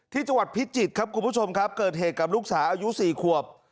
ที่จังหวัดพิจิตรครับคุณผู้ชมครับเกิดเหตุกับลูกสาวอายุ๔ขวบ